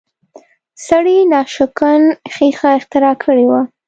سړي ناشکن ښیښه اختراع کړې وه